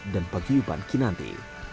dan pagi yuban kinanti